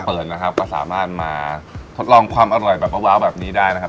เปิดนะครับก็สามารถมาทดลองความอร่อยแบบว้าวแบบนี้ได้นะครับ